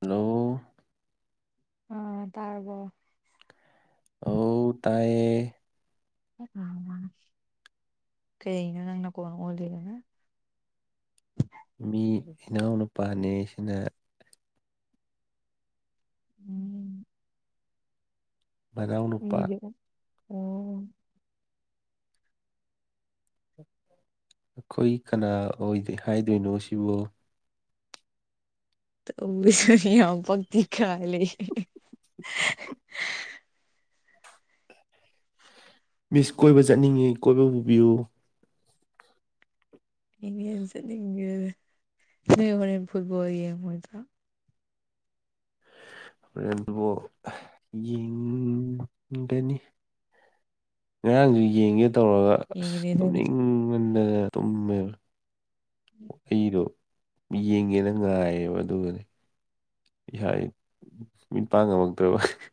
Hello ꯑꯥ ꯇꯥꯔꯕꯣ ꯑ ꯇꯥꯏꯌꯦ ꯀꯩꯩꯅ ꯀꯅ ꯃꯤ ꯏꯅꯥꯎꯅꯨꯄꯥꯅꯤꯁꯤꯅ ꯎꯝ ꯗꯥꯥꯎ ꯅꯨꯄꯥ ꯃꯤꯁꯦ ꯑꯩꯈꯣꯏ ꯀꯅꯥ ꯑꯣꯏꯗꯦ ꯍꯥꯏꯗꯣꯏꯅꯣ ꯁꯤꯕꯨ ꯌꯥꯝ ꯄꯛꯇꯦ ꯈꯥꯏ ꯂꯩꯑꯦ ꯃꯤꯁ ꯀꯣꯏꯕ ꯆꯠꯅꯤꯡꯉꯤ ꯀꯣꯏꯕ ꯄꯨꯕꯤꯌꯨ ꯏꯩꯅꯉꯟ ꯆꯠꯅꯤꯡꯉ ꯅꯣꯏ ꯍꯣꯔꯦꯟ ꯐꯨꯠꯕꯣꯜ ꯌꯦꯡꯉꯣꯏꯗ꯭ꯔꯥ ꯍꯣꯔꯦꯟ ꯑꯗꯨꯕꯨ ꯌꯦꯡꯒꯅꯤ ꯉꯔꯥꯡꯖꯨ ꯌꯦꯡꯒꯦ ꯇꯧꯔꯒ ꯑꯁ ꯌꯦꯡꯉꯤꯅꯦ ꯅꯪꯗꯤ ꯇꯨꯝꯅꯤꯡꯃꯟꯗꯅ ꯇꯨꯝꯃꯦꯕ ꯑꯩꯗꯣ ꯌꯦꯡꯒꯦꯅ ꯉꯥꯏꯌꯦꯕ ꯑꯗꯨꯒꯅꯦ [unintelligible] ꯃꯤꯠ ꯄꯥꯡ ꯉꯝꯃꯛꯇ꯭ꯔꯕ [unintelligible]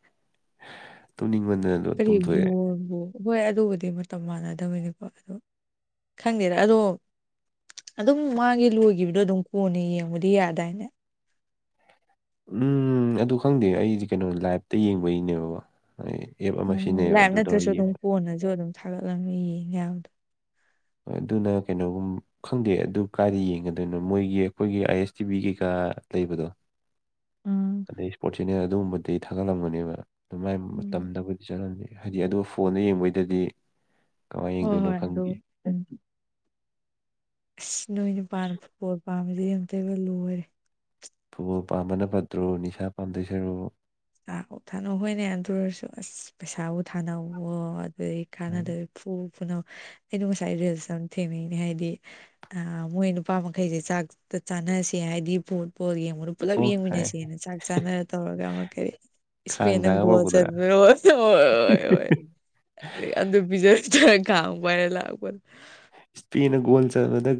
ꯇꯨꯝꯅꯤꯡꯃꯟꯗꯅ ꯑꯗꯨ ꯀꯔꯤ ꯇꯨꯝꯊꯣꯛꯑꯦ [unintelligible] ꯍꯣꯏ ꯑꯗꯨꯕꯨꯗꯤ ꯃꯇꯝ ꯃꯥꯟꯅꯗꯕꯩꯅꯤꯀꯣ ꯑꯣ ꯈꯪꯗꯦꯗ ꯑꯗꯣ ꯑꯗꯨꯝ ꯃꯥꯒꯤ ꯂꯣꯏꯒꯤꯕꯗꯣ ꯑꯗꯨꯝ ꯀꯣꯟꯅ ꯌꯦꯡꯕꯗꯤ ꯌꯥ ꯗꯥꯏꯅꯦ ꯎꯝ ꯑꯗꯨ ꯈꯪꯗꯦ ꯑꯩꯗꯤ ꯀꯩꯅꯣ ꯂꯥꯏꯞꯇ ꯌꯦꯡꯕꯩꯅꯦꯕꯀꯣ ꯑꯩ ꯑꯦꯞ ꯑꯃ ꯎꯝ ꯁꯤꯖꯤꯟꯅꯩꯌꯦꯕ ꯂꯥꯏꯞ ꯑꯗꯨ ꯇꯧꯔ ꯅꯠꯇ꯭ꯔꯁꯨ ꯌꯦꯡꯕ ꯑꯗꯨꯝ ꯀꯣꯟꯅꯁꯨ ꯑꯗꯨꯝ ꯊꯥꯒꯠꯂꯕꯅꯤꯅ ꯌꯦꯡ ꯌꯥꯕꯗꯣ ꯍꯣꯏ ꯑꯗꯨꯅ ꯀꯩꯅꯣꯒꯨꯝ ꯈꯪꯗꯦ ꯑꯗꯨ ꯀꯥꯏꯗ ꯌꯦꯡꯒꯗꯣꯏꯅꯣ ꯃꯣꯏꯒꯤ ꯑꯩꯈꯣꯏꯒꯤ ꯑꯥꯏ ꯑꯦꯁ ꯇꯤ ꯚꯤ ꯀꯩꯀꯥ ꯂꯩꯕꯗꯣ ꯎꯝ ꯑꯗꯩ ꯏꯁꯄꯣꯔꯠꯁꯤꯅꯦ ꯑꯗꯨꯒꯨꯝꯕꯗꯤ ꯊꯥꯒꯠꯂꯝꯕꯅꯦꯕ ꯑꯗꯨꯥꯏ ꯎꯝ ꯃꯇꯝꯗꯕꯨ ꯆꯔꯝꯃꯦꯦ ꯍꯥꯏꯗꯤ ꯑꯣ ꯐꯣꯟꯗ ꯌꯦꯡꯕꯩꯗꯗꯤ ꯀꯃꯥꯏꯅ ꯍꯣꯏ ꯌꯦꯡꯗꯣꯏꯅꯣ ꯍꯣꯏ ꯑꯗꯨ ꯈꯪꯗꯦ ꯑꯗꯨꯣ ꯑꯁ ꯅꯣꯏꯅ ꯄꯥꯟꯕ ꯄꯣꯠ ꯄꯥꯝꯕꯗꯤ ꯑꯝꯇꯕ ꯂꯣꯏꯔꯦ ꯐꯨꯠꯕꯣꯜ ꯄꯥꯝꯕꯅ ꯐꯠꯇ꯭ꯔꯣ ꯅꯤꯁꯥ ꯄꯥꯝꯗꯣꯏꯁꯔꯣ ꯥ ꯊꯥꯅꯣ ꯍꯣꯏꯅꯦ ꯑꯗꯨ ꯑꯣꯏꯔꯁꯨ ꯑꯁ ꯄꯩꯁꯥꯕꯨ ꯊꯥꯅꯋꯣ ꯑꯗꯨ ꯀꯥꯟꯅꯗꯣꯏ ꯐꯨ ꯐꯨꯅꯧ ꯑꯩꯅ ꯉꯁꯥꯏ ꯔꯤꯜꯁ ꯑꯃ ꯊꯦꯡꯉꯏꯅꯦ ꯍꯥꯏꯗꯤ ꯑ ꯃꯣꯏ ꯅꯨꯄꯥ ꯃꯈꯩꯁꯦ ꯆꯥꯛꯇ ꯆꯥꯅꯁꯦ ꯍꯥꯏꯗꯤ ꯐꯨꯠꯕꯣꯜ ꯌꯦ ꯑꯩꯉꯣꯟꯗ ꯄꯨꯂꯞ ꯑꯣ ꯍꯥꯏ ꯌꯦꯡꯃꯤꯟꯅꯁꯦꯅ ꯆꯥꯛ ꯆꯥꯅꯔ ꯇꯧꯔꯒ ꯑꯃꯛ ꯈꯥꯡ ꯏꯁꯄ ꯊꯥꯡꯉ ꯅ ꯣ ꯆꯠ ꯄꯨꯔꯛꯄꯗꯨꯔꯥ ꯍꯣꯏꯣꯏ ꯑꯗꯨ ꯄꯤꯖꯔ ꯆꯠꯂ ꯈꯥꯡ ꯄꯥꯏꯔ ꯂꯥꯛꯄꯗꯣ ꯏꯁꯄꯦꯅ ꯒꯣꯜ ꯆꯠꯕꯗ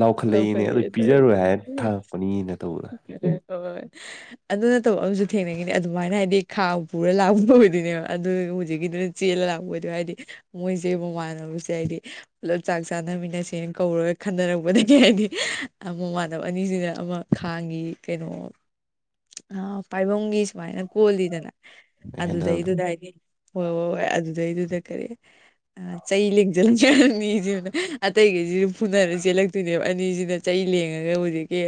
ꯂꯥꯎꯈꯠꯂꯛꯏꯅꯦ ꯑꯗꯨ ꯂꯧꯈꯠꯂꯛꯑꯦ ꯄꯤꯖꯔꯣꯏ ꯍꯥꯏꯔꯅ ꯊꯥꯡꯉꯛꯄꯅꯤꯅ ꯇꯧꯕꯗ ꯍ ꯑꯗꯨ ꯅꯠꯇꯕ ꯑꯃꯁꯨ ꯊꯦꯡꯅꯈꯤꯅꯦ ꯑꯗꯨꯃꯥꯏꯅ ꯍꯥꯏꯗꯤ ꯈꯥ ꯄꯨꯔ ꯂꯥꯛꯄ ꯐ ꯑꯣꯏꯗꯣꯏꯅꯦꯕ ꯑꯗꯨ ꯆꯦꯜꯂ ꯂꯥꯛꯕ ꯑꯗꯨ ꯍꯥꯏꯗꯤ ꯃꯣꯏꯁꯦ ꯃꯃꯥꯟꯅꯕꯁꯦ ꯍꯥꯏꯗꯤ ꯄꯨꯂꯞ ꯆꯥꯛ ꯆꯥꯅꯃꯤꯟꯅꯁꯦꯅ ꯀꯧꯔꯒ ꯈꯟꯅꯔꯛꯄ ꯗꯒꯤ ꯍꯥꯏꯗꯤ ꯑꯃꯃꯥꯟꯅꯕ ꯑꯅꯤꯁꯤꯅ ꯑꯃ ꯈꯥꯡꯒꯤ ꯀꯩꯅꯣ ꯑ ꯄꯥꯏꯕꯨꯡꯒꯤ ꯁꯨꯃꯥꯏꯅ ꯀꯣꯜꯂꯤꯗꯅ ꯍꯦꯟꯗꯜꯗꯣ ꯑꯗꯨꯗꯩꯗꯨꯗ ꯍꯥꯏꯗꯤ ꯍꯣꯏ ꯍꯣꯏ ꯍꯣꯏ ꯑꯗꯨꯗꯩꯗꯨꯗ ꯀꯔꯤ ꯑ ꯆꯩ ꯂꯦꯡꯁꯤꯜꯂꯁ ꯑꯅꯤꯁꯤꯅ ꯑꯇꯩꯈꯩꯁꯤ ꯑꯗꯨꯝ ꯐꯨꯅꯔ ꯆꯦꯜꯂꯛꯇꯣꯏꯅꯦꯕ ꯑꯅꯤꯁꯤꯅ ꯆꯩ ꯂꯦꯡꯉꯒ ꯍꯧꯖꯤꯛꯀꯤ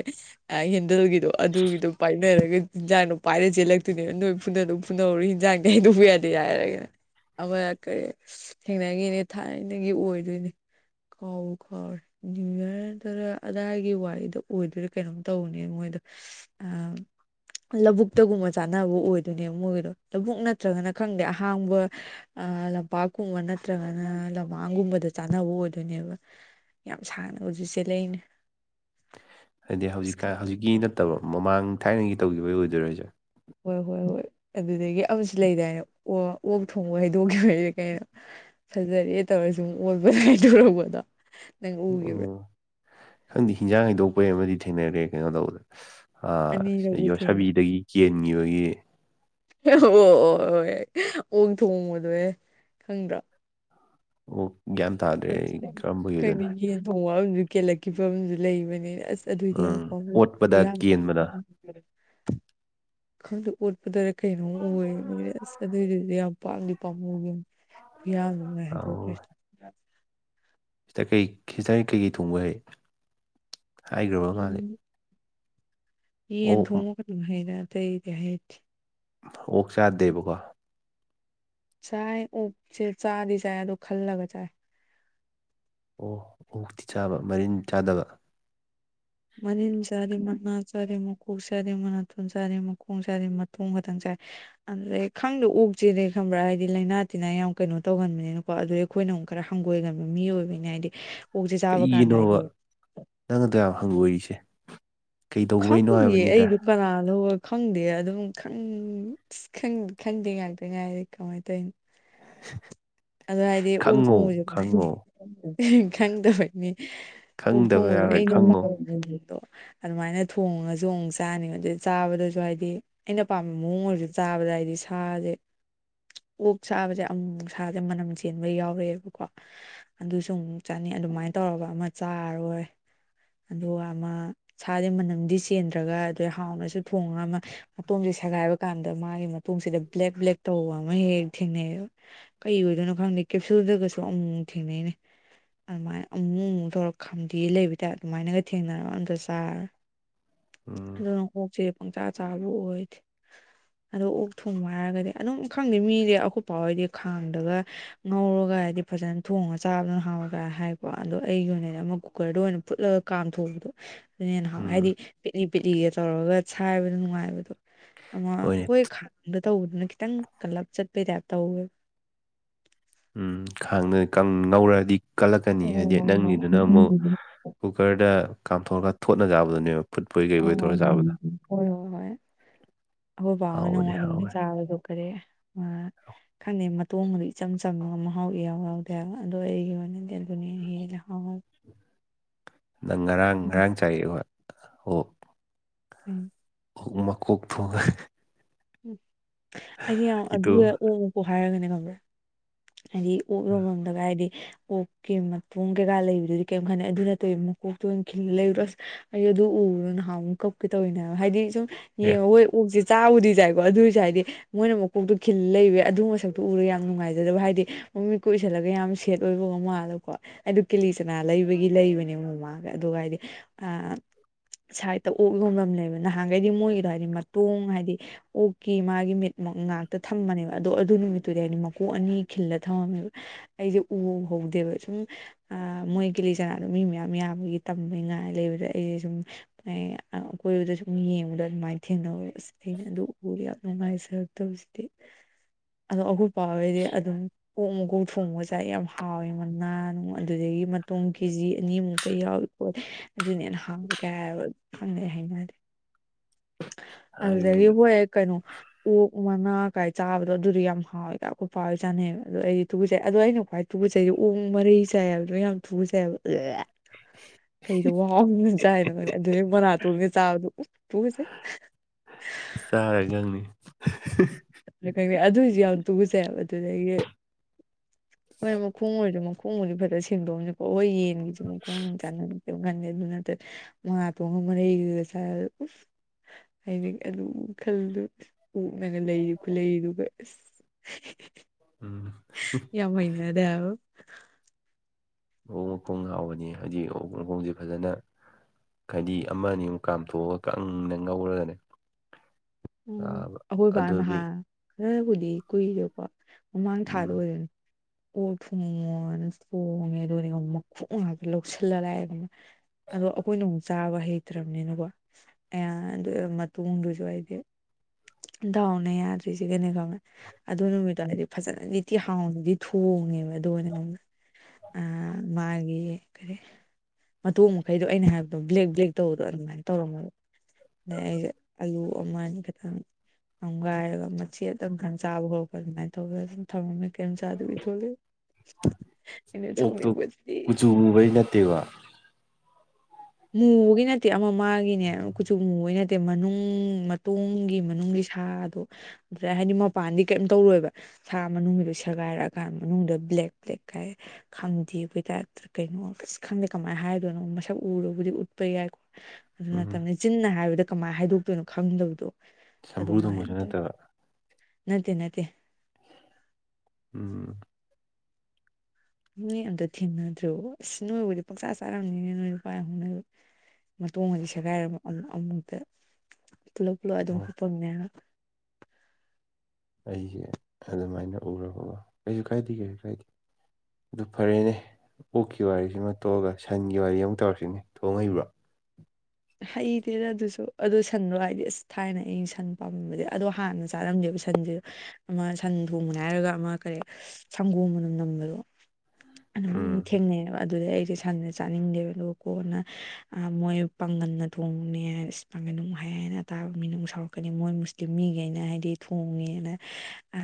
ꯍꯦꯟꯗꯜꯒꯤꯗꯣ ꯑꯗꯨꯒꯤꯗꯣ ꯐꯨꯅꯔꯒ ꯍꯤꯟꯖꯥꯡꯗꯣ ꯄꯥꯏꯔ ꯆꯦꯜꯂꯛꯇꯨꯅꯦꯕ ꯅꯣꯏ ꯐꯨꯅꯗ ꯐꯨꯅꯍꯧꯔ ꯍꯟꯖꯥꯡ ꯀꯩꯗꯧꯕ ꯌꯥꯗꯦ ꯍꯥꯏꯔꯒꯅ ꯑꯃ ꯀꯔꯤ ꯊꯦꯡꯅꯉꯅꯦ ꯊꯥꯏꯅꯒꯤ ꯑꯣꯏꯗꯣꯏꯅꯦ ꯀꯥꯎꯕ ꯀꯥꯎꯔ ꯅꯅꯤꯌꯨ ꯌꯌꯥꯔꯗꯔ ꯑꯗꯥꯏꯒꯤ ꯋꯥꯔꯤꯗ ꯑꯣꯏꯗꯣꯏꯗꯤ ꯀꯩꯅꯣꯝ ꯇꯧꯅꯦ ꯃꯣꯏꯗ ꯂꯧꯕꯕꯨꯛꯇꯒꯨꯝꯕ ꯆꯥꯟꯅꯕ ꯑꯣꯏꯗꯣꯏꯅꯦꯕ ꯃꯣꯏꯒꯤꯗꯣ ꯂꯧꯕꯕꯨꯛ ꯅꯠꯇ꯭ꯔꯒꯅ ꯈꯪꯗꯦ ꯑꯍꯥꯡꯕ ꯑ ꯂꯝꯄꯥꯛꯀꯨꯝꯕ ꯅꯠꯇ꯭ꯔꯒꯅ ꯂꯝꯍꯥꯡꯒꯨꯝꯕꯗ ꯆꯥꯅꯕ ꯑꯣꯏꯗꯣꯏꯅꯦꯕ ꯌꯥꯝ ꯁꯥꯡꯅ ꯍꯧꯖꯤꯛꯁꯦ ꯂꯩꯅꯤ ꯍꯥꯏꯗꯤ ꯍꯧꯖꯤꯛꯀꯥꯟ ꯍꯧꯖꯤꯛꯀꯤ ꯅꯠꯇꯕ ꯃꯃꯥꯡ ꯊꯥꯏꯅꯒꯤ ꯇꯧꯈꯤꯕꯩ ꯑꯣꯏꯗꯣꯏꯔꯣꯁꯦ ꯍꯣꯏ ꯍꯣꯏ ꯍꯣꯏ ꯑꯗꯨꯗꯒꯤ ꯑꯃꯁꯨ ꯂꯩꯗꯥꯏꯅꯦ ꯑꯣ ꯑꯣꯛ ꯊꯣꯡꯕ ꯍꯩꯗꯣꯛꯈꯤꯕꯩꯗꯤ ꯀꯩꯅꯣ ꯐꯖꯔꯦ ꯇꯧꯔꯁꯨ ꯑꯣꯟꯕ ꯂꯥꯏꯗꯧꯕꯗꯣ ꯑꯣ ꯈꯪꯗꯤꯦ ꯍꯤꯟꯖꯥꯡ ꯍꯩꯗꯣꯛꯄꯩ ꯑꯃꯗꯤ ꯊꯦꯡꯅꯔꯦ ꯀꯩꯅꯣ ꯇꯧꯕꯗꯅ ꯑ ꯑꯅꯤꯔꯛꯕꯨ ꯊꯦꯡꯅꯩ ꯌꯣꯠꯁꯕꯤꯗꯒꯤ ꯀꯦꯟꯈꯤꯕꯒꯤ ꯑꯣ ꯑꯣ ꯍꯣꯏ ꯑꯣꯛ ꯊꯣꯡꯕꯗꯣ ꯍꯦ ꯈꯪꯗ꯭ꯔꯣ꯫ ꯑꯣꯛ ꯒꯥꯟꯇ ꯀꯩꯩꯅꯒꯤ ꯇ ꯍꯧꯖꯤ ꯀꯦꯜꯂꯛꯈꯤꯕ ꯑꯃꯁꯨ ꯂꯩꯕꯅꯤ ꯑꯁ ꯑꯗꯨꯑꯣꯏꯗꯤ ꯌꯥꯎ ꯎꯝ ꯑꯣꯠꯄꯗ ꯀꯦꯟꯕꯗ ꯪ [unintelligible] ꯎꯠꯄꯗꯔꯦ ꯀꯩꯅꯣꯝ ꯎꯔ ꯑꯁ ꯑꯗꯣꯏꯗꯨꯗꯤ ꯌꯥꯝ ꯎꯄꯥꯝꯗꯤ ꯄꯥꯝꯃꯨꯒꯤ ꯈꯨꯌꯥꯝ ꯑꯧ [unintelligible] ꯁꯤꯗ ꯀꯩ ꯁꯤꯗ ꯀꯩꯀꯩ ꯊꯣꯡꯕ ꯍꯩ ꯍꯥꯏꯈ꯭ꯔꯕ ꯃꯥꯜꯂꯤ꯫ ꯎꯝ ꯌꯦꯟ ꯊꯣꯡꯉꯨꯒꯅ ꯍꯥꯏꯔ ꯑꯇꯩꯗꯤ ꯍꯥꯏꯗꯦ ꯑꯣꯛ ꯆꯥꯗꯦꯕꯀꯣ ꯆꯥꯏ ꯑꯣꯛꯁꯦ ꯆꯥꯗꯤ ꯆꯥꯏ ꯑꯗꯣ ꯈꯜꯂꯒ ꯆꯥꯏ ꯑꯣ ꯑꯣꯛꯇꯤ ꯆꯥꯕ ꯃꯔꯤꯟꯗꯤ ꯆꯥꯗꯕ ꯃꯅꯤꯟ ꯆꯥꯔꯤ ꯃꯅꯥ ꯆꯥꯔꯤ ꯃꯈꯀꯣꯛ ꯆꯥꯔꯤ ꯃꯅꯥꯊꯣꯟ ꯆꯥꯔꯤ ꯃꯈꯣꯡ ꯆꯥꯔꯤ ꯃꯇꯊꯣꯡ ꯈꯛꯇꯪ ꯆꯥꯏ ꯑꯗꯨꯗꯩ ꯈꯪꯗ ꯑꯣꯛꯆꯦꯅꯦꯦ ꯈꯪꯕ꯭ꯔꯥ ꯍꯥꯏꯗꯤ ꯂꯥꯏꯅꯥ ꯇꯤꯟꯅꯥ ꯌꯥꯝ ꯀꯩꯅꯣ ꯇꯧꯍꯟꯕꯅꯤꯅ ꯀꯣ ꯑꯗꯨ ꯑꯩꯈꯣꯏꯅ ꯑꯃꯨꯛ ꯈꯔ ꯍꯪꯒꯣꯏꯒꯟꯕ ꯃꯤ ꯑꯣꯏꯕꯅꯤ ꯍꯥꯏꯗꯤ ꯑꯣꯛꯁꯦ ꯆꯥꯕ ꯀꯥꯟꯗ ꯀꯩꯒꯤꯅꯣꯕ ꯍꯥꯏꯗꯤ ꯅꯪꯅꯗ ꯌꯥꯝ ꯍꯪꯒꯣꯏꯔꯤꯁꯦ ꯀꯩ ꯇꯧꯕꯩꯅꯣ ꯍꯥꯏꯕꯅꯤꯗ ꯀꯅꯥꯗꯣꯔ ꯈꯪꯗꯦ ꯑꯗꯨꯝ ꯈꯪꯗꯦ ꯉꯥꯛꯇ ꯉꯥꯏꯔꯤ ꯀꯃꯥꯏꯅ ꯇꯧꯔꯤꯅꯣ [unintelligible] ꯑꯗꯨꯗ ꯍꯥꯏꯗꯤ ꯑꯣꯛ ꯈꯪꯉꯣ ꯊꯣꯡꯕꯁꯨ ꯈꯪꯉꯣ ꯈꯪꯗꯕꯩꯅꯤ꯫ ꯎꯛ ꯈꯪꯗꯕ ꯊꯣꯡꯕꯁꯦ [unintelligible] ꯌꯥꯔꯣꯏ ꯑꯩꯩꯅꯣ ꯈꯪꯉꯣ ꯑꯗꯨꯃꯥꯏꯅ ꯊꯣꯡꯉꯁꯨ ꯑꯃꯨꯛ ꯆꯥꯅꯤ ꯑꯗꯨ ꯆꯥꯕꯗꯁꯨ ꯍꯥꯏꯗꯤ ꯑꯩꯅ ꯄꯥꯝꯕ ꯃꯑꯣꯡ ꯑꯣꯏꯔꯁꯨ ꯆꯥꯕꯗ ꯍꯥꯏꯗꯤ ꯁꯥꯔꯦ ꯑꯣꯛ ꯆꯥꯕꯁꯦ ꯑꯃꯨꯛ ꯅꯨꯡꯁꯥꯁꯦ ꯃꯅꯝ ꯆꯦꯟꯕ ꯌꯥꯎꯔꯛꯑꯦꯕꯀꯣ ꯑꯗꯨꯁꯨ ꯑꯃꯨꯛ ꯆꯥꯅꯤ ꯑꯗꯨꯃꯥꯏꯅ ꯇꯧꯒ ꯑꯃ ꯆꯥꯔꯣꯏ ꯑꯗꯨꯒ ꯑꯃ ꯁꯥꯗꯤ ꯃꯅꯝꯗꯤ ꯆꯦꯟꯗ꯭ꯔꯒ ꯑꯗꯩ ꯍꯥꯎꯅꯁꯨ ꯊꯣꯡꯉꯒ ꯑꯃ ꯃꯇꯣꯝꯁꯦ ꯁꯦꯒꯥꯏꯕ ꯀꯥꯟꯗ ꯃꯥꯒꯤ ꯃꯇꯣꯝꯁꯤꯗ ꯕ꯭ꯂꯦꯛ ꯕ꯭ꯂꯦꯛ ꯇꯧꯕ ꯑꯃ ꯍꯦꯛ ꯍꯦꯛ ꯊꯦꯡꯅꯩꯌꯦꯕ꯫ ꯀꯩ ꯑꯣꯏꯗꯣꯏꯅꯣ ꯈꯪꯗꯦ ꯀꯦꯞꯁꯨꯜꯗꯒꯁꯨ ꯑꯃꯨꯛ ꯑꯃꯨꯛ ꯊꯦꯡꯅꯩꯅꯦ꯫ ꯑꯗꯨꯃꯥꯏꯅ ꯑꯃꯨꯛ ꯑꯃꯨꯛ ꯇꯧꯔꯛ ꯈꯥꯝꯗꯦꯛ ꯂꯩꯕ ꯇꯥꯏ ꯑꯗꯨꯃꯥꯏꯅꯒ ꯊꯦꯡꯅꯔ ꯑꯝꯇ ꯆꯥꯔꯣꯏ꯫ ꯎꯝ ꯑꯗꯨꯅ ꯀꯣꯛꯁꯦ ꯄꯪꯆꯥ ꯆꯥꯕ ꯑꯣꯏ ꯑꯗꯣ ꯑꯣꯛ ꯊꯣꯡꯕ ꯍꯥꯏꯔꯒꯗꯤ ꯑꯗꯨꯝ ꯈꯪꯗꯦ ꯃꯤꯁꯦ ꯑꯀꯨꯞꯄ ꯍꯣꯏꯗꯤ ꯈꯥꯡꯗꯒ ꯉꯧꯔꯒ ꯍꯥꯏꯗꯤ ꯐꯖꯅ ꯊꯣꯡꯉꯒ ꯆꯥꯕꯗꯨꯅ ꯍꯥꯎꯔꯒ ꯍꯥꯏꯀꯣ ꯑꯗꯣ ꯑꯩꯒꯤ ꯑꯣꯏꯅꯗꯤ ꯑꯃꯨꯛ ꯀꯨꯀꯔꯗ ꯑꯣꯏꯅ ꯐꯨꯠꯂꯒ ꯀꯥꯝꯊꯣꯛꯕꯗꯣ ꯑꯗꯨꯅ ꯍꯦꯟ ꯎꯝ ꯍꯥꯏꯗꯤ ꯄꯤꯂꯤ ꯄꯦꯠꯂꯤꯒꯦ ꯇꯧꯔꯒ ꯁꯥꯏꯕꯗ ꯅꯨꯡꯉꯥꯏꯕꯗꯣ ꯑꯃ ꯍꯣꯏꯅꯦ ꯑꯈꯣꯏ ꯈꯥꯡꯗ ꯇꯧꯕꯗꯨꯅ ꯈꯤꯇꯪ ꯀꯜꯂꯞ ꯆꯠꯄꯩ ꯇꯥꯏꯞ ꯇꯧꯋꯦꯕ ꯎꯝ ꯈꯥꯡ ꯉꯧꯔꯛꯑꯗꯤ ꯀꯜꯂꯛꯀꯅꯤ ꯑꯣ ꯍꯥꯏꯗꯤ ꯍꯣꯏ ꯅꯪꯒꯤꯗꯨꯅ ꯑꯃꯨꯛ ꯍꯣꯏ ꯀꯨꯀꯔꯗ ꯀꯥꯝꯊꯣꯛꯔꯒ ꯊꯣꯠꯅ ꯆꯥꯕꯗꯨꯅꯦꯕ꯫ ꯐꯨꯠꯄꯣꯏ [unintelligible] ꯀꯩꯕꯣꯏ ꯇꯧꯔ ꯆꯥꯕꯗꯣ ꯑꯈꯣꯏ ꯕꯥ ꯍꯣꯏꯅ ꯍꯥꯎꯕꯅꯦ ꯑꯗꯨꯝꯒꯤ ꯍꯥꯎꯕꯅꯦ ꯆꯥꯕꯁꯨ ꯀꯔꯦ ꯈꯪꯗ ꯇꯣꯡꯒꯗꯣ ꯏꯆꯝ ꯆꯪꯉ ꯑꯃ ꯃꯍꯥꯎ ꯏꯌꯥꯎ ꯌꯥꯎꯗꯦ ꯍꯥꯏꯕ ꯑꯗꯣ ꯑꯩꯒꯤ ꯑꯣꯏꯅꯗꯤ ꯑꯗꯨꯅꯦ ꯍꯦꯜꯂꯦ ꯍꯥꯎꯕ꯫ ꯅꯪ ꯉꯔꯥꯡ ꯎꯝ ꯉꯔꯥꯡ ꯆꯥꯏ ꯍꯣꯏ ꯑꯣ ꯎꯝ [unintelligible] ꯎ ꯑꯩꯗꯤ ꯌꯥꯝ ꯑꯗꯨ ꯊꯣꯡꯉꯒꯤꯗꯣ ꯍ ꯑꯣ ꯑꯣꯛꯀꯣ ꯍꯥꯏꯔꯒꯅꯦ ꯈꯪꯕ꯭ꯔꯥ ꯍꯥꯏꯗꯤ ꯑꯣꯛ ꯂꯣ ꯚꯝꯗꯒ ꯍꯥꯏꯗꯤ ꯀꯣꯛꯀꯤ ꯃꯇꯨꯡ ꯀꯩꯀꯥ ꯂꯩꯕꯗꯨꯗꯤ ꯀꯩꯔꯝ ꯈꯠꯗꯦ ꯑꯗꯨ ꯅꯠꯇꯩ ꯀꯣꯛꯇꯨ ꯑꯣꯏꯅ ꯈꯤ ꯂꯩꯔꯨꯔꯣ ꯑꯁ ꯑꯩ ꯑꯗꯨ ꯎꯔꯣ ꯅꯍꯥꯟ ꯑꯃꯨꯛ ꯀꯞꯀꯦ ꯇꯧꯔꯤꯅꯦꯕ ꯍꯥꯏꯗꯤ ꯁꯨꯝ ꯌꯦꯡꯉꯣ [unintelligible] ꯑꯣꯛꯁꯤ ꯆꯥꯕꯗꯤ ꯆꯥꯏꯀꯣ ꯑꯗꯨꯏꯁꯨ ꯍꯥꯏꯗꯤ ꯃꯣꯏꯅ ꯃꯀꯣꯛꯇꯣ ꯈꯤꯜ ꯂꯩꯕ ꯑꯗꯨ ꯃꯁꯛꯇꯣ ꯎꯔꯒ ꯌꯥꯝ ꯅꯨꯡꯉꯥꯏ ꯑꯗꯨꯗꯕꯨ ꯍꯥꯏꯗꯤ ꯃꯃꯤꯠꯀ ꯎꯏꯁꯜꯂꯒ ꯌꯥꯝ ꯁꯦꯠ ꯑꯣꯏꯕꯒ ꯃꯥꯜꯂꯀꯣ ꯑꯩꯗꫭ ꯀꯦꯂꯤ ꯆꯅꯥ ꯂꯩꯕꯒꯤ ꯂꯩꯕꯅꯦ ꯃꯃꯥꯒ ꯑꯗꯨꯒ ꯍꯥꯏꯗꯤ ꯑ ꯁꯥꯏꯠꯇ ꯑꯣꯛ ꯌꯣꯟꯐꯝ ꯂꯩꯕ ꯅꯍꯥꯟꯈꯩꯗꯤ ꯃꯣꯏꯒꯤꯗꯣ ꯍꯥꯏꯗꯤ ꯃꯇꯣꯡ ꯍꯥꯏꯗꯤ ꯑꯣꯛꯀꯤ ꯃꯥꯒꯤ ꯃꯤꯠ ꯉꯥꯛꯇ ꯊꯝꯕꯅꯦꯕ ꯑꯗꯣ ꯑꯗꯨ ꯅꯨꯃꯤꯠꯇꯨꯗꯤ ꯑꯩꯗꯤ ꯀꯣꯛ ꯑꯅꯤ ꯈꯤꯜꯂ ꯊꯝꯃꯝꯃꯦꯕ ꯑꯩꯁꯦ ꯎꯍꯧꯗꯦꯕ ꯁꯨꯝ ꯑ ꯃꯣꯏꯒꯤ ꯀꯤꯂꯤꯆꯅꯥꯗꯣ ꯃꯤ ꯃꯌꯥꯝ ꯌꯥꯝꯕꯒꯤ ꯇꯝꯕꯩꯉꯥꯏ ꯂꯩꯕꯗ ꯑꯩꯁꯦ ꯁꯨꯝ ꯑꯩ ꯑ ꯑꯀꯣꯏꯕꯗ ꯁꯨꯝ ꯌꯦꯡꯉꯗ ꯑꯗꯨꯃꯥꯏ ꯊꯦꯡꯅꯔꯨꯔꯦ ꯑꯁ ꯑꯩꯅ ꯑꯗꯨ ꯎꯔ ꯌꯥꯝ ꯅꯨꯡꯉꯥꯏꯖꯔꯛꯇꯕꯁꯤꯗꯤ ꯑꯗꯣ ꯑꯈꯣꯏꯄꯥ ꯍꯣꯏꯗꯤ ꯑꯗꯨꯝ ꯑꯣꯛ ꯃꯀꯣꯛ ꯊꯣꯡꯕ ꯆꯥꯏ ꯌꯥꯝ ꯍꯥꯎꯏ ꯃꯅꯥ ꯅꯨꯡ ꯑꯗꯨꯗꯒꯤ ꯃꯇꯣꯡ ꯀꯦ ꯖꯤ ꯑꯅꯤꯃꯨꯛꯀ ꯌꯥꯎ ꯍꯣꯏ ꯑꯗꯨꯅ ꯍꯥꯎ ꯋꯤꯒ ꯈꯪꯗꯦ ꯍꯩꯅꯗꯦ ꯑꯗꯨꯗꯒꯤ ꯍꯥꯏꯕꯅꯦ ꯍꫭꯏ ꯀꯩꯅꫭ ꯑꯣꯛ ꯃꯅꯥ ꯀꯥꯏ ꯆꯥꯕꯗꯣ ꯑꯗꯨꯗꯤ ꯌꯥꯝ ꯍꯥꯎꯋꯦꯒ ꯑꯈꯣꯏ ꯄꯥ ꯆꯥꯅꯩꯕ ꯑꯗꯣ ꯑꯩꯗꯤ ꯇꯨꯒꯠꯆꯩ ꯑꯗꯣ ꯑꯩꯅ ꯈ꯭ꯋꯥꯏ ꯇꯨꯀꯠꯆꯩ ꯑꯣꯛ ꯃꯔꯩ ꯆꯥꯏ ꯍꯥꯏꯕꯗꯣ ꯌꯥꯝ ꯇꯨꯀꯠꯆꯩ [unintelligible] ꯀꯩꯗꯣ ꯍꯥꯎꯗꯅ ꯆꯥꯏꯅꯣ ꯑꯗꯨꯅꯦ ꯃꯅꯥꯇꯣꯟꯒ ꯆꯥꯕꯗꯣ ꯎ ꯇꯨꯒꯤꯠꯆꯩ꯫ ꯆꯥꯔꯒꯪꯅꯤ ꯑꯗꯨꯏꯁꯨ ꯌꯥꯝ ꯇꯨꯒꯨꯆꯩ ꯍꯥꯏꯕ ꯑꯗꯨꯗꯒꯤ ꯃꯥꯏ ꯃꯈꯣꯡ ꯑꯣꯏꯔꯁꯨ ꯃꯈꯣꯡ ꯈꯣꯡꯕꯨꯗꯤ ꯐꯖꯅ ꯁꯦꯡꯗꯣꯛꯑꯝꯅꯤꯀꯣ ꯍꯣꯏ ꯌꯦꯟꯒꯤꯁꯨ ꯃꯈꯣꯡ ꯅꯨꯡ ꯆꯥꯟꯅꯕꯅꯤꯅ ꯀꯩꯝ ꯈꯟꯗꯦ ꯑꯗꯨꯅ ꯃꯥꯅꯥꯇꫭꯟꯒ ꯃꯔꯩꯒꯒ ꯆꯥꯏ ꯍꯥꯏꯗꫭ ꯎꯞ ꯍꯥꯏꯗꯤ ꯑꯗꯨꯝ ꯋꯥꯈꯜ ꯑꯣꯛꯅꯒ ꯂꯩꯔꯤ ꯈꯨꯠꯂꯩꯗꯨꯒ ꯑꯁ ꯎꯝ ꯌꯥꯔ ꯌꯥꯎꯣ [unintelligible] ꯑꯣꯛ ꯃꯈꯣꯡ ꯍꯥꯎꯕꯅꯤ ꯍꯥꯏꯗꯤ ꯑꯣꯛ ꯃꯈꯣꯡꯁꯦ ꯐꯖꯅ ꯍꯥꯏꯗꯤ ꯑꯃ ꯑꯅꯤꯃꯨꯛ ꯀꯥꯝꯊꯣꯛꯑꯒ ꯀꯪꯅ ꯉꯧꯔꯒꯅꯦ ꯎꯝ ꯆꯥꯕ ꯑꯈꯣꯏꯕ ꯑꯗꯨꯗꯤ ꯅꯍꯥꯟ ꯈꯔꯕꯨꯗꯤ ꯀꯨꯏꯔꯦꯀꯣ ꯃꯃꯥꯡ ꯎꯝ ꯊꯥꯗꯣꯏꯔꯅꯤ ꯑꯣꯛ ꯊꯣꯡꯉꯣꯅ ꯊꯣꯡꯉꯦ ꯑꯗꯨꯅꯅꯦ ꯃꯈꯣꯡ ꯉꯥꯛꯇ ꯂꯧꯁꯤꯜꯂ ꯂꯥꯛꯑꯦ ꯑꯗꯣ ꯑꯩꯈꯣꯏꯅ ꯑꯃꯨꯛ ꯆꯥꯕ ꯍꯩ ꯆꯠꯇ꯭ꯔꯕꯅꯤꯅꯀꯣ ꯑꯌꯥ ꯑꯗꯨ ꯃꯇꫭꯡꯗꯨꯁꯨ ꯑꯩꯗꯤ ꯗꯥꯎꯅ ꯌꯥꯗ꯭ꯔꯤꯁꯤꯒꯅꯦ ꯈꯪꯕ꯭ꯔꯥ ꯑꯗꯨ ꯅꯨꯃꯤꯠꯇꫭ ꯍꯥꯏꯗꯤ ꯐꯖꯅꯗꯤꯇꯤ ꯍꯥꯎꯅꯗꯤ ꯊꯣꯡꯉꯦꯕ ꯑꯗꯨ ꯑꯣꯏꯅ ꯉꯪꯗ ꯑ ꯃꯥꯒꯤ ꯀꯔꯤ ꯃꯇꯣꯡ ꯃꯈꯩꯗꯣ ꯑꯩꯅ ꯍꯥꯏꯕꯗꯣ ꯕ꯭ꯂꯦꯛ ꯕ꯭ꯂꯦꯛ ꯇꯧꯕꯗꯣ ꯑꯗꯨꯃꯥꯏꯅ ꯇꯧꯔꯝꯃꯕ ꯑꯗꯩ ꯑꯩꯖꯦ ꯑꯥꯂꯨ ꯑꯃ‌ ꯑꯅꯤ ꯈꯠꯇ ꯈꯤꯇꯪ ꯑꯃꯒꯥꯏꯔꯒ ꯃꯆꯦꯇꯪ ꯈꯔ ꯆꯥꯕ ꯈꯣꯠꯄ ꯑꯗꯨꯃꯥꯏꯅ ꯇꯧꯔꯦ ꯑꯗꯨꯝ ꯁꯥꯎꯅꯤꯡꯕꯩ ꯀꯩꯝ ꯆꯥꯗꯕꯤ ꯊꯣꯛꯂꯦ ꯑꯩꯅ ꯁꯥꯎꯅꯤꯡꯕꯁꯤꯗꯤ ꯄꯨꯕꯩ ꯑꯗꯨꯒꯕ [unintelligible] ꯃꯨꯕꯒꯤ ꯅꯠꯇꯦ ꯑꯃ ꯃꯥꯒꯤꯅꯦ ꯀꯨꯆꯨ ꯃꯨꯕꯒꯤ ꯅꯠꯇꯦ ꯃꯅꯨꯡ ꯃꯇꯣꯒꯤ ꯃꯅꯨꯡꯒꯤ ꯁꯥꯗꯣ ꯑꯗꯨꯗ ꯍꯥꯏꯗꯤ ꯃꯄꯥꯟꯗꯤ ꯀꯩꯝ ꯇꯧꯔꯣꯏꯕ ꯁꯥ ꯃꯅꯨꯡꯒꯤꯗꯨ ꯁꯦꯒꯥꯏꯔꯛꯑꯀꯥꯟ ꯃꯅꯨꯡꯗ ꯕ꯭ꯂꯦꯛ ꯕ꯭ꯂꯦꯛ ꯀꯥꯏ ꯈꯪꯗꯦ ꯑꯩ ꯀꯩꯅꯣ ꯈꯪꯗꯦ ꯀꯃꯥꯏꯅ ꯍꯥꯏꯗꯣꯏꯅꯣ ꯃꯁꯛ ꯎꯔꯕꯨꯗꯤ ꯎꯠꯄ ꯌꯥꯏꯀꯣ ꯑꯗꯨ ꯎꯝ ꯅꯠꯇꯝꯅꯤ ꯆꯤꯟꯅ ꯍꯥꯏꯕꯗ ꯀꯃꯥꯏ ꯍꯥꯏꯗꯣꯛꯇꯣꯏꯅꯣ ꯈꯪꯗꯕꯗꯣ ꯁꯝꯕ꯭ꯔꯨ ꯊꯣꯡꯕꯁꯨ ꯑꯗꯨꯃꯥꯏꯇ ꯅꯠꯇꯕ ꯅꯠꯇꯦ ꯅꯠꯇꯦ ꯎꯝ ꯅꯣꯏ ꯑꯝꯇ ꯊꯦꯡꯅꯗ꯭ꯔꯤꯕꫭ ꯑꯁ ꯅꯣꯏꯕꯨꯗꯤ ꯄꯥꯛꯆꯥ ꯆꯥꯔꯝꯅꯤꯅꯦ ꯅꯣꯏ ꯅꯨꯄꯥꯏ ꯍꯧꯅꯕꯤ ꯃꯇꫭꯡ ꯑꯅꯤ ꯁꯦꯒꯥꯏꯔꯕ ꯑꯃꯨ ꯑꯃꯨꯛꯇ ꯄꯨꯂꯞ ꯄꯨꯂꯞ ꯑꯗꯨꯝ ꯑꯣ ꯍꯨꯞꯄꯝꯅꯦ ꯍꯥꯏꯕ ꯑꯩꯁꯦ ꯑꯗꯨꯃꯥꯏꯅ ꯎꯔꯕꯒꯣ ꯀꯩꯁꯨ ꯀꯥꯏꯗꯦ ꯀꯩꯁꯨ ꯀꯥꯏꯗꯦ ꯑꯗꯨ ꯐꯔꯦꯅꯦ ꯑꯣꯛꯀꯤ ꯋꯥꯔꯤꯁꯤꯃ ꯇꯣꯛꯑꯒ ꯁꯟꯒꯤ ꯋꯥꯔꯤ ꯑꯃꯨ ꯇꯧꯔꯁꯤꯅꯦ ꯊꯣꯡ ꯍꯩꯕ꯭ꯔꯣ ꯍꯩꯇꯦꯅ ꯑꯗꯨꯁꯨ ꯑꯗꯨꯗꯣ ꯁꯟꯗꯣ ꯍꯥꯏꯗꯤ ꯑꯁ ꯊꯥꯏꯅ ꯑꯩꯅ ꯁꯟ ꯄꯥꯝꯃꯝꯕꯗꯤ ꯑꯗꯣ ꯍꯥꯟꯅꯁꯨ ꯆꯥꯔꯝꯗꯦꯕ ꯁꯟꯁꯦ ꯑꯃ ꯁꯟ ꯊꯣꯡꯕꯅꯦ ꯍꯥꯏꯔꯒ ꯑꯃ ꯀꯔꯤ ꯁꯪꯒꯣꯝꯅ ꯅꯝꯕꯗꯣ ꯑꯗꯨꯃꯥꯏꯅ ꯎꯝ ꯊꯦꯡꯅꯩꯕ ꯑꯗꯨꯗꯩ ꯑꯩꯁꯦ ꯁꯟ ꯆꯥꯅꯤꯡꯗꯦꯕ ꯑꯗꯨꯒ ꯀꯣꯟꯅ ꯃꯣꯏ ꯄꯥꯡꯒꯜ ꯅ ꯊꯣꯡꯕꯅꯦ ꯑ ꯄꯥꯡꯒꯟ ꯅꯨꯡ ꯍꯥꯏ ꯍꯥꯏꯅ ꯇꯥꯕ ꯃꯤꯅꯨꯡ ꯁꯥꯎꯔꯛꯀꯅꯤ ꯃꯣꯏ ꯃꯨꯁꯂꯤꯝ ꯃꯤꯈꯩꯅ ꯍꯥꯏꯗꯤ ꯊꯣꯡꯉꯦꯅ ꯑ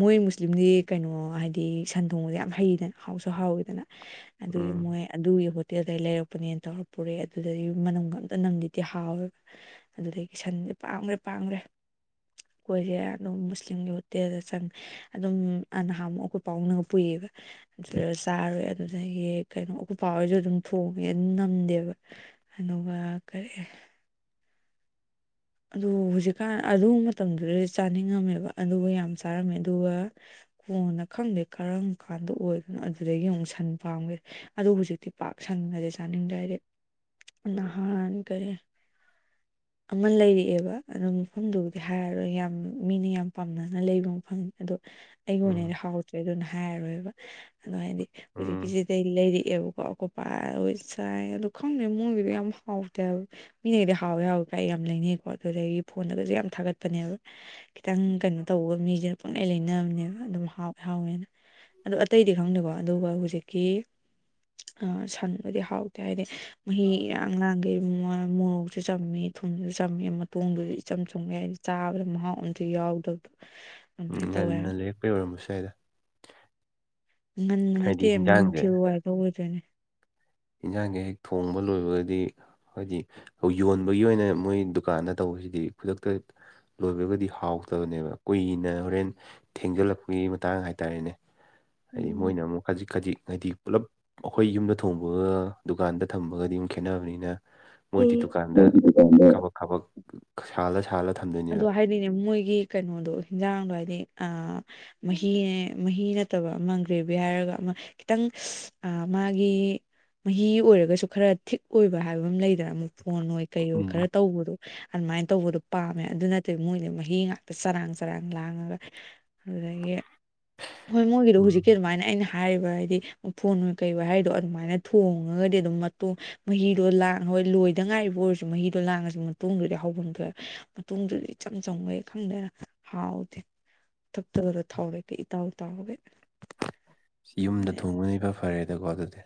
ꯃꯣꯏ ꯃꯨꯁꯂꯤꯝꯗꯤ ꯀꯩꯅꯣ ꯍꯥꯏꯗꯤ ꯁꯟ ꯊꯣꯡꯕꯁꯦ ꯌꯥꯝ ꯍꯩꯗꯅ ꯍꯥꯎꯁꯨ ꯍꯥꯎꯋꯤꯗꯅ ꯑꯗꯨꯒꯤ ꯎꯝ ꯃꯣꯏ ꯑꯗꯨꯒꯤ ꯍꯣꯠꯇꯦꯜꯗꯒꯤ ꯂꯩꯔꯛꯄꯅꯦꯅ ꯇꯧꯔ ꯄꯨꯔꯦ ꯑꯗꯨꯗꯩ ꯌꯨꯝꯗ ꯃꯅꯝꯒ ꯑꯝꯇ ꯅꯝꯗꯔꯗꯤ ꯍꯥꯎꯋꯦꯕ ꯑꯗꯨꯗꯒꯤ ꯁꯟꯖꯦ ꯄꯥꯝꯈ꯭ꯔꯦ ꯄꯥꯝꯈ꯭ꯔꯦ ꯑꯩꯈꯣꯏꯁꯦ ꯃꯨꯁꯂꯤꯝꯒꯤ ꯍꯣꯠꯇꯦꯜꯗ ꯆꯪꯉ ꯑꯗꯨꯝ ꯑ ꯅꯍꯥꯟꯃꯨꯛ ꯑꯈꯣꯏ ꯄꯥꯎꯅꯒ ꯄꯨꯏꯌꯦꯕ ꯑꯗꯨꯗ ꯆꯥꯔꯣꯏ ꯑꯗꯨꯅ ꯍꯦ ꯀꯩꯅꯣ ꯎꯀꯨꯄ ꯍꯣꯏꯁꯨ ꯑꯗꯨꯝ ꯊꯣꯡꯉꯦ ꯅꯝꯗꯦꯕ ꯑꯗꯨꯒ ꯀꯔꯤ ꯑꯗꯨ ꯍꯧꯖꯤꯛꯀꯥꯟ ꯑꯗꯨ ꯃꯇꯝꯗꯨꯗ ꯆꯥꯅꯤꯡꯉꯝꯃꯦꯕ ꯑꯗꯨꯒ ꯌꯥꯝ ꯆꯥꯔꯝꯃꯦ ꯑꯗꯨꯒ ꯀꯣꯟꯅ ꯈꯪꯗꯦ ꯀꯔꯝ ꯀꯥꯟꯗ ꯑꯣꯏꯗꯅꯣ ꯑꯗꯨꯗꯒꯤ ꯑꯃꯨꯛ ꯁꯟ ꯄꯥꯝꯒ꯭ꯔꯦ ꯑꯗꯨ ꯍꯧꯖꯤꯛꯇꯤ ꯄꯥꯛ ꯁꯪꯉꯗꯤꯦ ꯆꯥꯅꯤꯡꯗ꯭ꯔ ꯍꯥꯏꯗꯤ ꯅꯍꯥꯟ ꯀꯔꯤ ꯑꯃ ꯂꯩꯔꯛꯑꯦꯕ ꯑꯗꯣ ꯃꯐꯝꯗꯨꯕꯨꯗꯤ ꯍꯥꯏꯔꯔꯣꯏꯒꯦ ꯌꯥꯝ ꯃꯤꯅ ꯌꯥꯝ ꯄꯥꯝꯅꯅ ꯂꯩꯕ ꯃꯐꯝꯅꯤ ꯑꯗꯣ ꯑꯩꯒꯤ ꯎꯝ ꯑꯣꯏꯅꯗꯤ ꯍꯥꯎꯇ꯭ꯔꯦ ꯑꯗꯨꯅ ꯍꯥꯏꯔꯔꯣꯏꯕ ꯑꯗꯨ ꯍꯥꯏꯗꯤ ꯎꯝ ꯍꯨꯖꯤꯛꯀꯤꯁꯤꯗꯩ ꯂꯩꯔꯛꯑꯦꯕ ꯀꯣꯄ ꯑꯣꯏ ꯆꯥꯏ ꯑꯗꯨ ꯈꯪꯗꯦ ꯃꯣꯏꯒꯤꯗꯤ ꯌꯥꯝ ꯍꯥꯎꯇꯦꯕ ꯃꯤꯅꯩꯗꯤ ꯍꯥꯎꯋꯦ ꯍꯥꯎꯋꯦ ꯀꯩ ꯌꯥꯝ ꯂꯩꯅꯩꯀꯣ ꯑꯗꯨꯗꯒꯤ ꯐꯣꯟꯗꯒꯁꯨ ꯌꯥꯝ ꯊꯥꯒꯠꯄꯅꯦꯕ ꯈꯤꯇꯪ ꯀꯩꯅꯣ ꯇꯧꯕ ꯃꯤꯁꯦ ꯄꯨꯡꯂꯩ ꯂꯩꯅꯕꯅꯦꯕ ꯑꯗꯨꯝ ꯍꯥꯎꯋꯦ ꯍꯥꯎꯋꯦꯅ ꯑꯣ ꯑꯇꯩꯗꯤ ꯈꯪꯗꯦꯀꯣ ꯑꯗꯨꯒ ꯍꯧꯖꯤꯛꯀꯤ ꯁꯟꯕꯨꯗꯤ ꯍꯥꯎꯇꯦ ꯍꯥꯏꯗꯤ ꯃꯍꯤ ꯏꯔꯥꯡ ꯂꯥꯡꯈꯩ ꯃꯣꯔꯣꯛꯁꯨ ꯆꯥꯃꯤ ꯊꯨꯝꯗꯨꯁꯨ ꯆꯝꯃꯦ ꯃꯇꯣꯡꯗꯨꯁꯨ ꯏꯆꯝ ꯆꯨꯝꯕ ꯍꯥꯏꯏꯗꯤ ꯆꯥꯕꯗ ꯃꯍꯥꯎ ꯑꯝꯇ ꯌꯥꯎꯗꯕꯗꯣ ꯎꯝ ꯑꯗꯨꯃꯥꯏꯅ ꯇꯧꯋꯦ ꯉꯟꯅ ꯍꯥꯏꯕ ꯂꯩꯔꯛꯄꯩ ꯑꯣꯏꯔꯝꯕꯁꯨ ꯌꯥꯏꯗ ꯉꯟꯕ ꯅꯠꯇꯦ ꯍꯥꯏꯗꯤ ꯍꯤꯟꯖꯥꯡꯁꯦ ꯅꯨꯡꯊꯤꯜ ꯋꯥꯏꯕꯧ ꯑꯣꯏꯗꯣꯏꯅꯦ ꯌꯦꯟꯁꯥꯡꯁꯦ ꯍꯦꯛ ꯊꯣꯡꯕ ꯂꯣꯏꯕꯒꯗꯤ ꯍꯥꯏꯗꯤ ꯌꯣꯟꯕꯒꯤ ꯑꯣꯏꯅ ꯃꯣꯏ ꯗꯨꯀꯥꯟꯗ ꯇꯧꯕꯁꯤꯗꯤ ꯈꯨꯗꯛꯇ ꯂꯣꯏꯕꯒꯗꯤ ꯍꯥꯎꯇꯕꯅꯦꯕ ꯀꯨꯏꯅ ꯍꯣꯔꯦꯟ ꯊꯦꯡꯖꯤꯜꯂꯛꯄꯒꯤ ꯃꯇꯥꯡ ꯍꯥꯏꯇꯥꯔꯦꯅꯦ ꯍꯥꯏꯗꯤ ꯎꯝ ꯃꯣꯏꯅ ꯑꯃꯨꯛ ꯈꯖꯤꯛ ꯈꯖꯤꯛ ꯍꯥꯏꯗꯤ ꯄꯨꯜꯂꯞ ꯑꯩꯈꯣꯏ ꯌꯨꯝꯗ ꯊꯣꯡꯕ ꯑꯣ ꯗꯨꯀꯥꯟꯗ ꯊꯝꯕꯒꯗꯤ ꯑꯃꯨꯛ ꯈꯦꯠꯅꯕꯅꯤꯅ ꯃꯣꯏꯗꯤ ꯗꯨꯀꯥꯟꯗ ꯎꯝ ꯀꯥꯄꯛ ꯊꯕꯛ ꯁꯥꯜꯂ ꯁꯥꯜꯂ ꯑꯗꯣ ꯊꯝꯗꯣꯏꯅꯦꯕ ꯍꯥꯏꯗꯤꯅꯦ ꯃꯣꯏꯒꯤ ꯀꯩꯅꯣꯗꯣ ꯍꯟꯖꯥꯡꯗꯣ ꯍꯥꯏꯗꯤ ꯑ ꯃꯍꯤꯅꯦ ꯃꯍꯤ ꯅꯠꯇꯕ ꯑꯃ ꯒ꯭ꯔꯦꯕꯤ ꯍꯥꯏꯔꯒ ꯑꯃ ꯈꯤꯇꯪ ꯃꯥꯒꯤ ꯃꯍꯤ ꯑꯣꯏꯔꯒꯁꯨ ꯈꯔ ꯊꯤꯛ ꯑꯣꯏꯕ ꯍꯥꯏꯕ ꯑꯃ ꯂꯩꯗꯅ ꯑꯃꯨꯛ ꯐꯣꯟ ꯑꯣꯏꯣꯏ ꯀꯩ ꯑꯣꯏꯣꯏ ꯎꯝ ꯈꯔ ꯇꯧꯕꯗꯣ ꯑꯗꯨꯃꯥꯏꯅ ꯇꯧꯕꯗꯣ ꯄꯥꯝꯃꯦ ꯑꯗꯨ ꯅꯠꯇꯕ ꯃꯣꯏꯅ ꯃꯍꯤ ꯉꯥꯛꯇ ꯆꯔꯥꯡ ꯆꯔꯥꯡ ꯂꯥꯡꯉꯒ ꯑꯗꯨꯗꯒꯤ ꯍꯣꯏ ꯃꯣꯏꯒꯤꯗꯣ ꯍꯧꯖꯤꯛꯀꯤ ꯎꯝ ꯑꯗꯨꯃꯥꯏꯅ ꯑꯩꯅ ꯍꯥꯏꯔꯤꯕ ꯍꯥꯏꯗꯤ ꯐꯣꯟ ꯀꯩ ꯍꯥꯏꯗꯣ ꯑꯗꯨꯃꯥꯏꯅ ꯊꯣꯡꯉꯒꯗꯤ ꯑꯗꯨꯝ ꯃꯇ ꯃꯍꯤꯗꯣ ꯂꯥꯡ ꯍꯣꯏ ꯂꯣꯏꯗ ꯉꯥꯏꯔꯤꯕ ꯑꯣꯏꯔꯁꯨ ꯃꯍꯤꯗꯣ ꯂꯥꯡꯉꯁꯨ ꯃꯇꫭꯡꯗꯨꯗꯤ ꯍꯧꯐꯝ ꯊꯣꯛꯑꯦ ꯃꯇꯨꯡꯗꯨꯗꯤ ꯏꯆꯝ ꯆꯝꯉꯩ ꯈꯪꯗꯦꯅ ꯍꯥꯎꯗꯦ ꯊꯨꯞꯇꯕꯗꫭ ꯊꯥꯎꯔꯦꯛꯀ ꯏꯇꯥꯎ ꯇꯥꯎꯒꯩ ꯁꯤ ꯌꯨꯝꯗ ꯊꯣꯡꯕꯅ ꯐꯔꯦꯗꯀꯣ ꯑꯗꯨꯗꯤ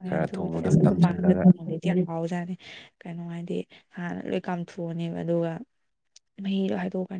ꯍꫭꯏ ꯈꯔ ꯑꯗꯨꯕꯨꯗꯤ ꯊꯣꯡꯕꯗꯣ ꯑꯁ ꯇꯝꯁꯤꯜꯂꯒ ꯑꯈꫭꯏꯄꯥ [unintelligible] ꯌꯥꯝ ꯍꯥꯎꯖꯥꯠꯅꯤ ꯀꯩꯅꯣ ꯍꯥꯏꯗꯤ ꯍꯥꯟꯅ ꯂꯣꯏ ꯀꯥꯝꯊꯣꯛꯑꯅꯦꯕ ꯑꯗꯨꯒ ꯃꯍꯤꯗꯣ ꯍꯥꯏꯗꯣꯛꯀꯅꯤ